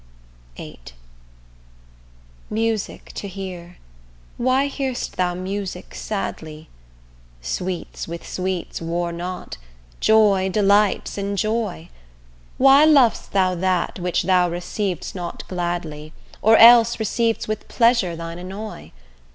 VIII Music to hear, why hear'st thou music sadly? Sweets with sweets war not, joy delights in joy: Why lov'st thou that which thou receiv'st not gladly, Or else receiv'st with pleasure thine annoy?